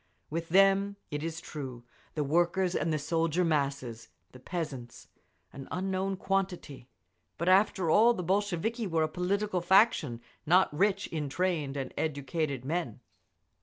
With them, it is true, the workers and the soldier masses—the peasants an unknown quantity—but after all the Bolsheviki were a political faction not rich in trained and educated men….